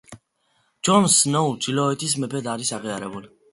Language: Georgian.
ჯონ სნოუ ჩრდილოეთის მეფედ არის აღიარებული.